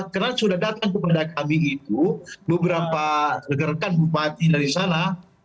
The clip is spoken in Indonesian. karena sudah datang kepada kami itu beberapa rekan rekan bupati dari sana